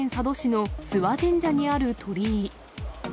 新潟県佐渡市の諏訪神社にある鳥居。